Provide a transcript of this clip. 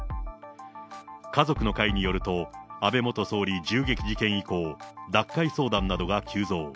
家族の会によると、安倍元総理銃撃事件以降、脱会相談などが急増。